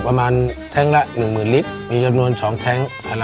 ในแคมเปญพิเศษเกมต่อชีวิตโรงเรียนของหนู